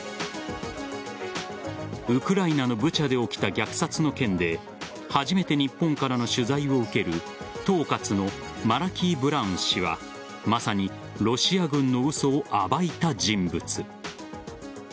ウクライナのブチャで起きた虐殺の件で初めて日本からの取材を受ける統括のマラキー・ブラウン氏はまさにロシア軍の嘘を暴いた人物。